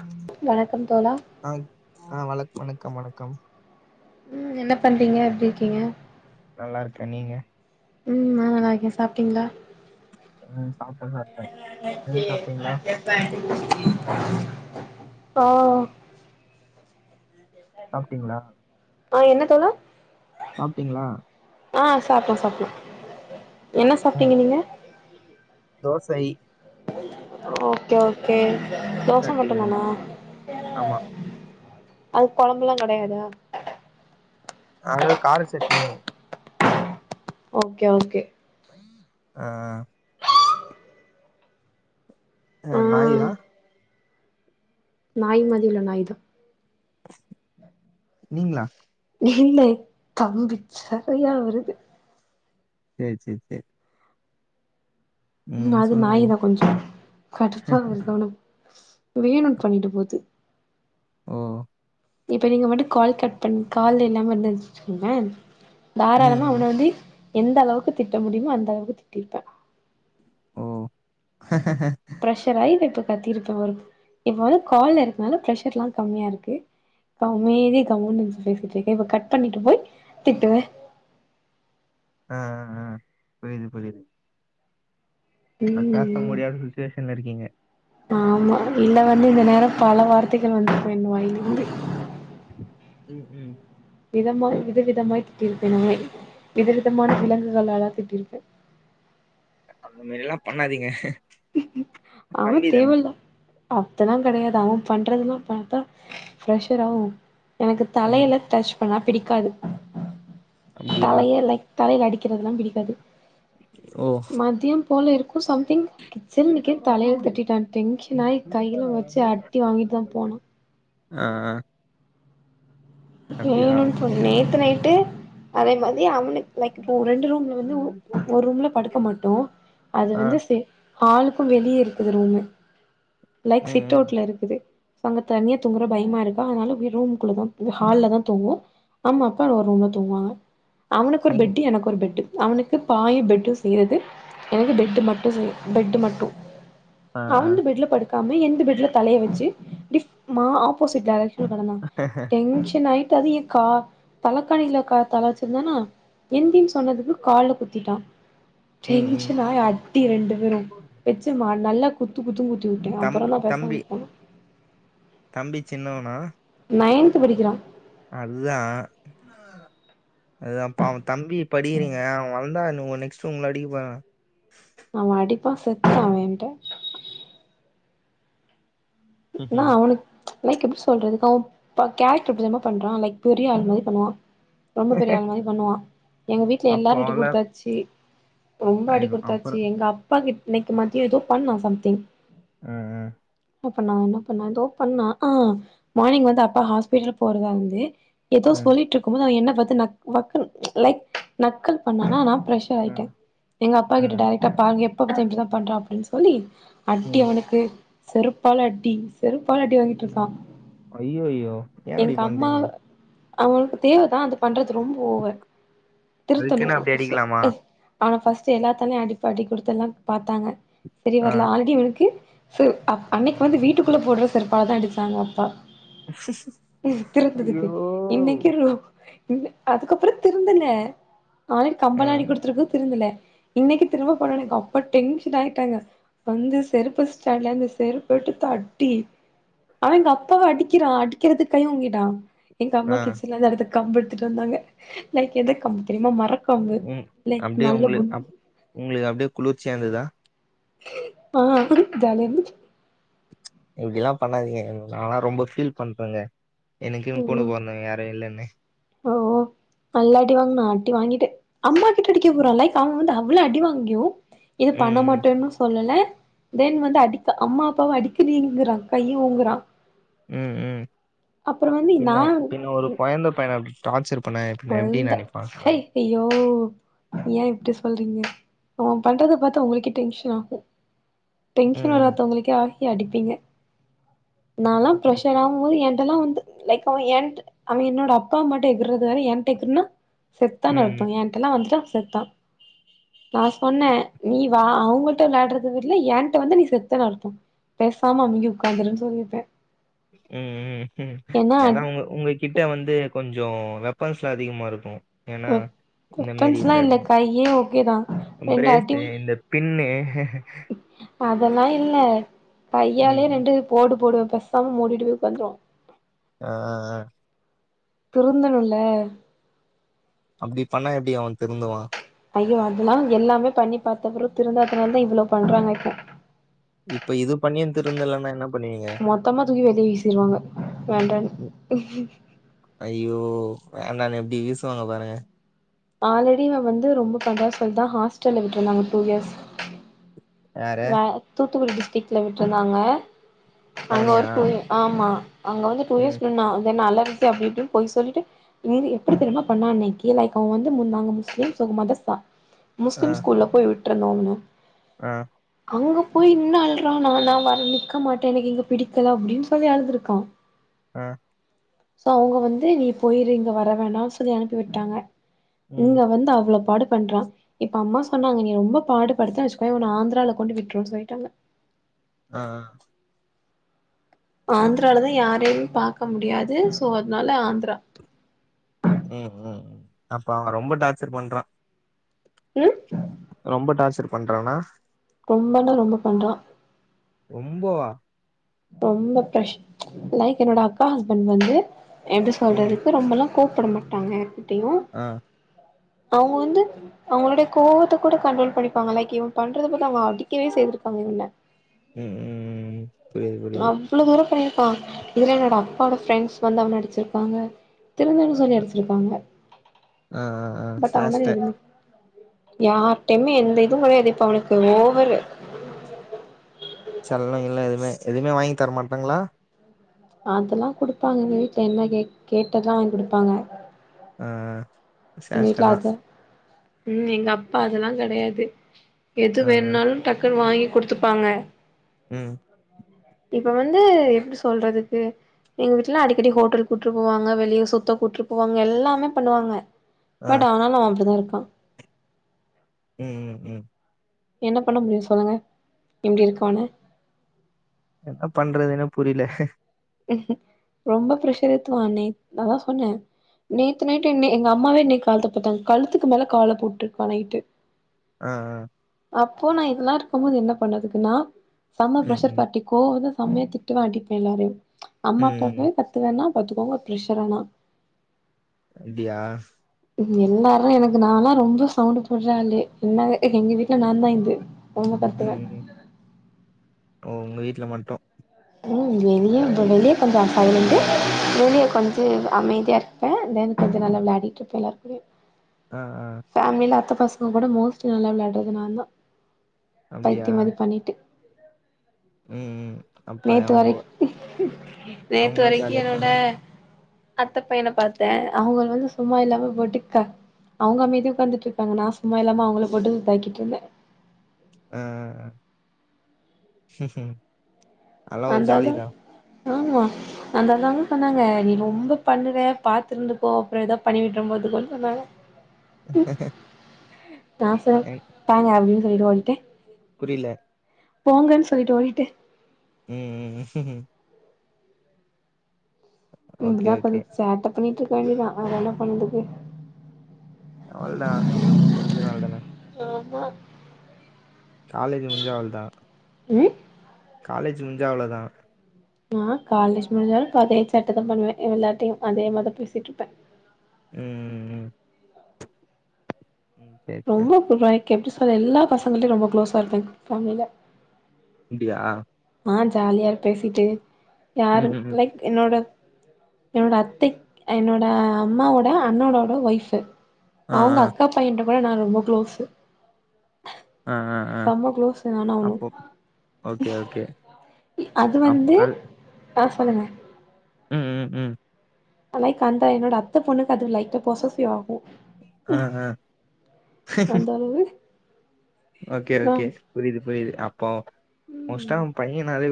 உம் வணக்கம் தோழா ஆஹ ஆ வணக்கம் வணக்கம் வணக்கம் உம் என்ன பண்றீங்க எப்டி இருக்கீங்க நல்லா இருக்கே நீங்க ம் நா நல்லா இருக்கே சாப்ட்டீங்களா ம் சாப்ட்டே சாப்ட்டே நீங்க சாப்ட்டீங்களா ஓ சாப்ட்டீங்களா ஆ என்ன தோழா சாப்ட்டீங்களா ஆ சாப்டோ சாப்டோ என்ன ம் சாப்ட்டீங்க நீங்க தோசை ஓ ஓகே தோச சட்னி மட்டும் தானா ஆமா அதுக் கொழம்புல்லா கெடையாதா அது கார சட்னி ஓகே ஓகே ஆ அ ஆ நாய்கா நாய் மாதி உள்ள நாய் தா நீங்ளா இல்லை தம்பி நெறையா வருது சேரி சேரி சேரி ம் அது சொல்லுங்க நாய் தா கொஞ்சொ கடுப்பா வருது அவன வேணூண்டு பண்ணிட்டு போகுது ஓ இப்ப நீங்க மட்டும் கால் கட் பண் கால் இல்லாம இருந்துச்சு வச்சுக்கோங்களே தாராளமா ம் அவன வந்து எந்த அளவுக்கு திட்ட முடியுமோ அந்த அளவுக்கு திட்டிருப்பே ஓ ப்ரெஷர் ஆய் இப்ப கத்திருப்பே வரும் இப்போ வந்து கால்ல இருக்கனால ப்ரஷர்ல்லா கம்மியா இருக்கு அம்மேதி கம்முன்னு பேசிட்டு இருக்கன் இப்ப கட் பண்ணிட்டு போய் திட்டுவேன் ஆ ஆ ஆ புரிது புரிது க்க பேச ம் முடியாத சுச்சுவேஷன்ல இருக்கீங்க ஆமா இல்ல வந்து இந்த நேரோ பல வார்த்தைகள் வந்துருக்கு என் வாயில் இருந்து ம் ம் விதமாய் வித விதமாய் திட்டியிருப்பேன் நானே விதவிதமான விலங்குகளாலா திட்டிருப்பே அந்த மேரில்லா பண்ணாதீங்க அவன் தம்பி தான தேவல்ல அப்டில்லா கெடையாது அவன் பண்றதுல்லா பாத்தா ப்ரெஷர் ஆவு எனக்கு ம் தலையில டச் பண்ணா பிடிக்காது அப்டியா தலைய லைக் தலையில அடிக்கிறதெல்லா பிடிக்காது ஓ மதியோ போல இருக்கு சம்திங் இஷ்ட கிச்சனுக்கே கூட வரணு தலையில கூடி தட்டிட்டா டென்ஷன் ஆயி கையில வச்சு அடி வாங்கிட்டு தா [unintelligible] போனா அ அ வேணுன்னு சொல்லி நேத்து நைட்டு அதே மாதிரி அவனுக்கு லைக் இப்போ ரெண்டு ரூம்ல வந்து ம். ஒரு ரூம்ல படுக்க மாட்டோ அது ஆ வந்து ஹாலுக்கும் வெளிய இருக்குது ரூமு லைக் ம் சிட் ம் அவுட்ல இருக்குது அங்க தனியா தூங்குற பயமா இருக்கா அதனால ரூம் குள்ள தா ஹால்ல தா தூங்குவோ அம்மா அப்பா ஒரு ரூம்ல தூங்குவாங்க அவனுக்கு ஒரு நீங்க பெட்டு எனக்கு ஒரு பெட்டு அவனுக்கு பாய் பெட்டும் செய்றது எனக்கு பெட்டு மட்டு செய் பெட்டு மட்டு ஆ ஆ அவுந்த பெட்ல படுக்காம எந்து பெட்ல தலைய வச்சு டிப் மா ஆப்போசிட் டைரக்சன்ல கெடந்தா. ஆ டென்ஷசன் ஆயிட்ட அது ஏ கா தலைக்காணில கா தல வச்சிருந்தானா எந்தின்னு சொன்னதுக்கு கால்ல குத்திட்டா ம் ம் டென்ஷன் அயி அடி ரெண்டு பேரு வெச்சுமா நல்லா குத்து குத்து குத்து விட்டா அப்றோ தம்பி தா பேசாம தம்பி வுட்டா தம்பி சின்னவனா நைன்த் படிக்கிறா அதுதா அதா பாவோ தம்பி இப்ப அடிக்கிறீங்க அவன் வளந்தா நெக்ஸ்ட் உங்கள அடிக்க போறா அவன் அடிப்பா செத்தா அவன் என்கிட்ட என்னா ம்ஹும். அவனுக் லைக் எப்டி சொல்றது அவன் கேரக்டர் எப்டி தெரிமா பண்றா லைக் பெரிய ஆள் மாதிரி பண்ணுவா ரொம்ப பெரிய ஆள் மாரி பண்ணுவா எங்க வீட்ல அப்போ எல்லாரு அடி அவள குடுத்தாச்சு ரொம்ப அடி ஐயோ, குடுத்தாச்சு அப்புறம் எங்க அப்பாக்கு இன்னக்கி மதியோ ஏதோ பண்ணா சம்திங் அ அ என்ன என்ன பண்ணா தோ பண்ணா ஆ மார்னிங் வந்து அப்பா ஹாஸ்பிடல் போறதாந்து ஏதோ ம் சொல்லிட்டு இருக்கு போது அவன் என்ன பாத்து நக் வக்குல் லைக் நக்கில் பண்ணானா நா பிரெஷர் பிரஷர் ஆ ஆயிட்ட எங்க அப்பா ஆ கிட்ட டைரெக்டா பாருங்க எப்ப பாத்தாலு இப்டிதா பண்றா அப்டின்னு சொல்லி அட்டி ம் அவனுக்கு செருப்பால அடி செருப்பால அட்டி வாங்கிட்டு இருக்கா ஐய்யயோ ஏ இப்டி பண்றீங்க அவனுக்கு தேவதா அது பண்றது ரொம்ப ஓவர் திருத்தணு அதுக்குன்னு அப்படி அடிக்கலாமா அவனை ஃபர்ஸ்ட் எல்லாத்தாலயு அடி அடி குடுத்துல்லா பாத்தாங்க செரி ஆ வரல ஆல்ரெடி அவனுக்கு சு அ அன்னைக்கி வந்து வீட்டுக்குள்ள போடுற செருப்பால தா அடிச்சாங்க அப்பா ஐயோ திருந்துரத்துக்கு இன்னைக்கி ரோ ம்ஹும் அதுக்கப்றொ திருந்தல ஆல்ரெடி ஆ கம்பலா அடிகுடுத்துருக்கு திருந்தல இன்னக்கி திரும்ப போனோனெ அப்பா டென்ஷன் ஆயிட்டாங்க வந்து செருப்பு ஸ்டான்லந்து செருப் போட்டு தட்டி அவ எங்க அப்பாவ அடிக்கிறா அடிக்கிறதுக் கை ஓங்கிட்டா எங்கம்மா ஆ கிச்சன்லந்து அடுத்து கம்பெடுத்துட்டு வந்தாங்க லைக் எந்த கம்பு தெரிமா மர க்கம்பு லைக் நல்ல குண் உங்ளுக்கு அப்டியே குளிர்ச்சியா இந்ததா ஆ ஜாலியாருந்து இப்டிலா பண்ணாதீங்க நாலா ரொம்ப ஃபீல் பண்றேங்க எனக்குன் கூட பொறந்தவ்ங்க யாரு இல்லன்னு ஓ ஓ நல்லா அடி வாங்னா அடி வாங்கிட்டு அம்மா கிட்ட அடிக்க போறா லைக் அவ வந்து அவ்ள அடி வாங்கியு இது பண்ண ம் மாட்டேன்னு சொல்லல தென் வந்து அடிக்க அம்மா அப்பாவ அடிக்கறீங்குறா கைய ஓங்குறா ம் ம் அப்புறோ வந்து பின்ன நா பின்ன ஒரு கொயந்த பையன இப்டி டார்ச்சர் பண்ணா பின்ன எப்டி கொழந்த நெனைப்பாங்க சை ஐயோ ஏ இப்டி சொல்றீங்க? அவ பண்றத பாத்தா உங்களுக்கே டென்ஷன் ஆகு டென்ஷன் ம் வராத்தவ்ங்களுக்கே ஆகி அடிப்பீங்க நாலா பிரஷரா கும்போது என்ட்டெல்லா வந்து லைக் அவெ ஏன்ட்ட அவெ என்னோட அப்பா அம்மா மட்டு எகுர்றது வேற ஏன்ட்ட எகுற்னா ம் செத்தான்னு அர்த்தொ ம் ஏன்ட்டல்லா வந்துட்டா செத்தா நா சொன்னே நீ வா அவுங்கள்ட்ட விளாட்றது விட்ல ஏன்ட்ட வந்து நீ செத்தன் அர்த்தொ பேசாம அமுங்கி உக்காந்துருன் சொல்லிப்பே ம் ம் ஏனா உங்க உங்க கிட்ட வந்து கொஞ்சோ வெப்பன்ஸ்லா அதிகமா இருக்கு ஏனா வெப்பன்ஸ்லா இல்ல கையே ஓகே தா ரெண்டு அடி ப்ரேஸ்த்து இந்த பின்னு அதெல்லா இல்ல கையாலே ம் ரெண்டு போடு போடுவே பெசாம மூடிட்டு போய் உக்காந்ருவா அ அ அ திருந்தனுள்ள அப்டி பண்ணா எப்டி அவெ திருந்துவா ஐயோ அதுல்லா எல்லாமே பண்ணி பாத்தப்றொ திருந்தாத்தனால் தா இவ்ளொ பண்றாங்க இப்போ இப்ப இது பண்ணியு திருந்தலனா என்ன பண்ணுவீங்க மொத்தமா தூக்கி வெளிய வீசிருவாங்க வேண்டான் ஐயோ வேண்டான்னு எப்டி வீசுவாங்க பாருங்க ஆல்ரெடி இவெ வந்து ரொம்ப பண்றா சொல் தா ஹாஸ்டல்ல விட்ருந்தாங்க டூ இயர்ஸ் யாரு இவே தூத்துக்குடி டிஸ்ட்ரிக்ட் லிமிட்டு தாங்க அங்க அவனையா ஒரு டூ இ ஆமா அவுங்க வந்து டூ ம் இயர்ஸ்சு முன்னா அவுக என்ன அழவெச்சு அப்டி இப்டின்னு பொய் சொல்லிட்டு [unintelligible] எப்பிடி தெரிம்மா பண்ணா அன்னக்கி லைக் அவ வந்து முந் நாங்க முஸ்லிம்ஸ் எங்க மதர்ஸா ஆ முஸ்லிம் ஸ்கூல்ல போய் விட்ருந்தோ அவன ஆ அங்க போய் நின்னு அழ்ரானா நா வர் நிக்க மாட்டே எனக்கு இங்க பிடிக்கல அப்டின் சொல்லி அழுதுருக்கா அ சோ அவுங்க வந்து நீ போயிரு இங்க வர வேணா சொல்லி அனுப்பி விட்டாங்க ம் இங்க வந்து அவ்ள பாடு பண்றா இப்ப அம்மா சொன்னாங்க நீ ரொம்ப பாடுபடுத்துன வச்சுக்கொயே ஒன்ன ஆந்திரால கொண்டு விட்ருவோம் சொல்லிட்டாங்க அ ஆ ஆந்திராலதா யாரையுமே பாக்க முடியாது சோ அத்னால ஆந்திரா ம் ம் அப்ப அவ ரொம்ப டார்ச்சர் பண்றா ம் ரொம்ப டார்ச்சர் பண்றானா வந்தேனே ரொம்ப பண்றா ரொம்ப வா ரொம்ப பிரஷ் லைக் என்னோட அக்கா ஹஸ்பண்ட் வந்து என்ட்ட ம் சொல்றதுக்கு ரொம்பல கூப்புட மாட்டாங்க எப்டியு ஆ அவுங்க வந்து அவுங்களேட கோவத்தை கூட கண்ட்ரோல் பண்ணிபாங்க லைக் இவன் பண்றத பத்த அவுங்க அடிக்கவே செய்திருக்காங்க இவன ம் ம் ம் ம் ம் புரியுது புரியுது அவ்வுளே தூரம் பண்ணியிருக்கா இதுல என்னோட அப்பாவோட ஃப்ரெண்ட்ஸ் வந்து அவன அடிச்சிருப்பாங்க திருந்தன்னு சொல்லி அ அடிச்சிருக்காங்க ஆ ஆ ஆ பட் சேஷ்ட ஆனாலு எதுவு யார்டயுமே எந்த இதுவு கிடையாது இப்ப அவனுக்கு ஓவரு செல்ல இல்ல எதுவுமே எதுவுமே வாங்கி தரமாட்டாங்களா அதெல்லா கொடுப்பாங்க என்ன கே கேட்டாத வாங்கி கொடுப்பாங்க ஆ சேஷ்ட்ட வீட்ல தா அது ம் எங்க அப்பா அத எல்லா கிடையாது எது ஆ ஆ வேணுனாலு டக்குன்னு வாங்கி குடுத்துப்பாங்க ம் இப்ப வந்து எப்டி சொல்றதுக்கு எங்க வீட்டு எல்லா அடிக்கடி ஹோட்டல் கூட்டிட்டு போ வாங்க வெளியே சுத்த கூட்டிட்டு போ வாங்க எல்லாமே பண்ணுவாங்க ஆ பட் ஆனாலு அவன் அப்புடி தா இருக்கா ம் ம் ம் என்ன பண்ண முடியு சொல்லுங்க இப்புடி இருக்கனு என்ன பண்றதுன்னு புரியல ம் ம் ரொம்ப ப்ரஷர் எத்துவா அண்ணே அத சொன்னே நேத்து நைட்டு என் னை எங்க அம்மாவே இன்னைக்கு கழுத்த பாத்தாங்க கழுத்துக்கு மேல கால்லா போட்டு இருக்கா நைட்டு ஆ ஆ அப்போ நா இத எல்லா இருக்கு போது என்ன பண்ணதுக்கு நா செம ம் பிரஷர் ம் பர்ட்டி கோவே வந்த செமைய திட்டுவே அடிப்பே எல்லாரையு ம் அம்மா அப்பா ம் போய் பத்து வேணா பெத்துக்கோங்க பேச வேணா அப்டியா எல்லாரு எனக்கு நா எல்லா ரொம்ப சவுண்ட் போடுறா ஆளு என்ன எங்க வீட்டுல நா தா இது ரொம்ப ம் கத்துவே ம் ஓ உங்க வீட்டுல மட்டு ம் வெளியே [unintelligible] பண்றா காலைலேந்து வெளிய கொஞ்சு அமைதியா இருப்பே தென் கொஞ்சொ நல்ல விளாடிட்டு இருப்ப எல்லாரு கூடியு ஆ ஆ ஃபேமிலில அத்த பசங்க கூட மோஸ்ட்லி நல்லா விளாடுறது நாந்தா அப்டியா? பைத்தியம் மாரி பண்ணிட்டு ம் ம் அப்ப நேத்து அவங்க வரை நேத்து அவங்களும் வரைக்கு ஜாலியா என்னோட இருப்பாங்க. அத்த பையன பாத்தே அவுங்க வந்து சும்மா இல்லாம போட்டு கா அவுங்க அமைதிய உட்காந்துட்டு இருப்பாங்க நா சும்மா இல்லாம அவுங்கள போட்டு உதகிட்டு இருந்தே ஆ ஆ ஆ ம் ம் அந்தாலுது ஆம்மா அத தாங்க சொன்னாங்க நீ ரொம்ப பண்ணுற பாத்து இருந்துக்கோ அப்புறே ஏதாவோ பண்ணி விட்டுற போது அப்டினு சொன்னாங்க தா சார் தாங்க அப்டின்னு சொல்லிட்டு வன்டே புரில போங்கன்னு சொல்லிட்டு ஓடிடே ம் ம் ஓகே இதுதா கொஞ் ஓகே. சேட்ட பண்ணிட்டு இருக்க வேண்டியதா வேற என்ன பண்றது எவ்ளோ நா கொஞ்ச நாள்தானே ஆமா காலேஜ் முடிஞ்சா அவ்ள்தா ம் காலேஜ் முடிஞ்சா அவ்ளோதா நா காலேஜ் முடிஞ்சாலு இப்ப அதே சேட்டதா பண்ணுவே எல்லார்ட்டையு அதே மார்தா பேசிட்டுருப்பே ம் ம் ம். ம் சரி சரி. ரொம்ப புடிக்கு எனக்கு எப்டி சொல்றது எல்லா பசங்கள்டையு ரொம்ப குளோசா இருப்பே ஃபேமிலில அப்டியா நா ஜாலியா பேசிட்டு ம் யாரும் ம் ம். லைக் என்னோட என்னோட அத்தை என்னோட அம்மாவோட அண்ணனோட ஒய்ஃபு ஆ அவங்க ஆ. அக்கா பையன்ட கூட நா ரொம்ப குளோசு அ அ செம குளோஸ்ங்க நாங்க ஓகே ஓகே. அது அப்போ வந்து அது ஆ சொல்லுங்க ம் ம் ம் லைக் அந்த என்னோட அத்த பொண்ணுக்கு அது லைட்டா பொஸஸ்ஸிவ் ஆகு ஆஹ என்னது ஓகே ஓகே புரியுது புரியுது அப்போ மோஸ்டா ம் பையனால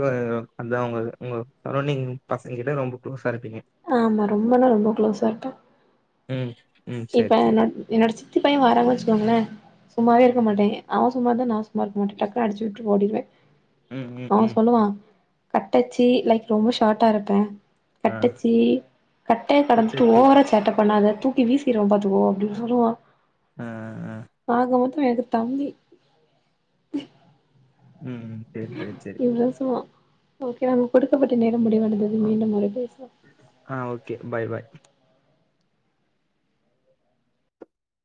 அந்தா உங்க உங்க சரௌண்டிங் பசங்க கிட்ட ரொம்ப குளோஸா இருப்பீங்க ஆமா ரொம்பனா ரொம்ப குளோஸா இருப்பே ம் ம் இப்ப சரி சரி என்னோ என்னோட சித்தி பைய வாராங்க வச்சுக்கோங்களே சும்மாவே இருக்க மாட்டே அவெ சும்மா இருந்தாலு நா சும் மாருக்க மாட்டே டக்குனு அடிச்சு வுட்டுட் ஓடிருவே ம் ம் அவ ம் சொல்லுவா கட்டச்சி லைக் ரொம்ப ஷார்ட்டா இருப்பே ஆ கட்டச்சி கட்டையா பெறந்துட்டு குட்டச்சி ஓவரா சேட்ட பண்ணாத தூக்கி வீசி சீருவே பாத்துக்கோ அப்டின்னு சொல்லுவா ஆ ஆ ஆக மொத்தொ எனக்கு தம்பி ம் ம் சரி சரி சரி இலவசமா ஓகே வா நமக்கு கொடுக்கப்பட்ட நேரம் முடிவடைந்தது ஆ மீண்டும் ஒரு பேசுவோம் ஆ ஓகே பாய் பாய்